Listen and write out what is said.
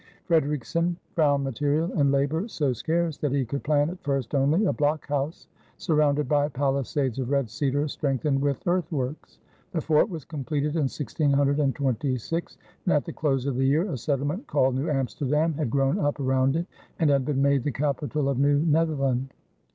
Fredericksen found material and labor so scarce that he could plan at first only a blockhouse surrounded by palisades of red cedar strengthened with earthworks. The fort was completed in 1626, and at the close of the year a settlement called New Amsterdam had grown up around it and had been made the capital of New Netherland.